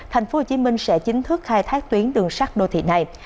thành phố hồ chí minh sẽ chính thức khai thác tuyến đường sắt đô thị này